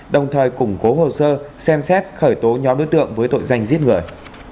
đồng thời củng cố hồ sơ xem xét khởi tố nhóm đối tượng với tội danh giết người